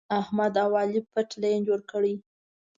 احمد او علي پټ لین جوړ کړی.